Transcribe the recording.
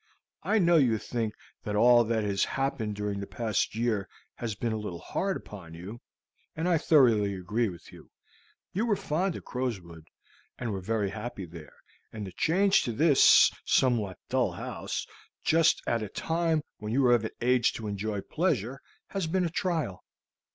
I know you think that all that has happened during the past year has been a little hard upon you, and I thoroughly agree with you; you were fond of Crowswood, and were very happy there, and the change to this somewhat dull house, just at a time when you are of an age to enjoy pleasure, has been a trial.